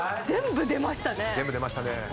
全部出ましたね。